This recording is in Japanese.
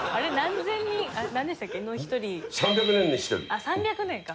あっ３００年か。